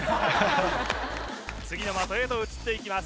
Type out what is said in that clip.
次の的へと移っていきます